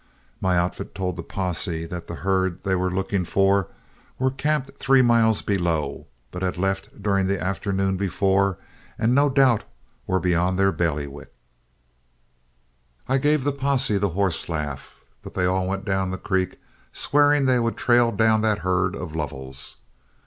My outfit told the posse that the herd they were looking for were camped three miles below, but had left during the afternoon before, and no doubt were then beyond their bailiwick. I gave the posse the horse laugh, but they all went down the creek, swearing they would trail down that herd of Lovell's.